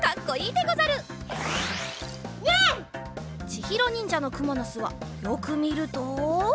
ちひろにんじゃのくものすはよくみると。